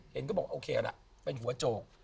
เห็นก็บอกโอเคละเป็นหัวโจก